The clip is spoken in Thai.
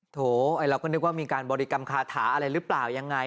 โถเราก็นึกว่ามีการบริกรรมคาถาอะไรหรือเปล่ายังไง